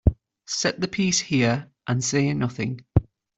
Set the piece here and say nothing.